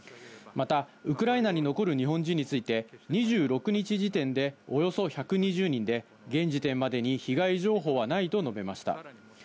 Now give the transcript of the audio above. またウクライナに残る日本人について、２６日時点で、およそ１２０人で、現時点までに被害情報はないと述べました。